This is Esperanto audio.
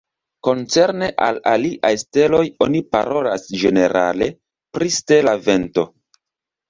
Koncerne al aliaj steloj, oni parolas ĝenerale pri stela vento.